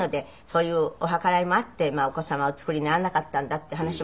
そういうお計らいもあってお子様お作りにならなかったんだっていう話もあるんですけど。